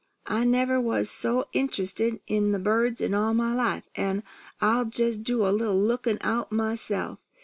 I never was so int'rested in the birds in all my life; an' I'll jest do a little lookin' out myself.